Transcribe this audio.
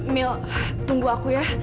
mil tunggu aku ya